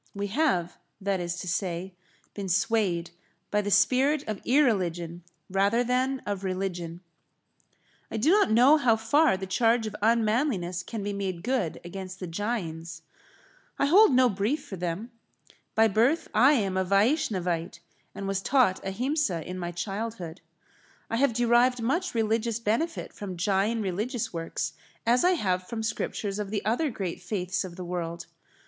We have, that is to say, been swayed by the spirit of irreligion rather than of religion. I do not know how far the charge of unmanliness can be made good against the Jains. I hold no brief for them. By birth I am a Vaishnavite, and was taught Ahimsa in my childhood. I have derived much religious benefit from Jain religious works as I have from scriptures of the other great faiths of the world.